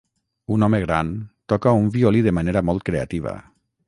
Un home gran toca un violí de manera molt creativa.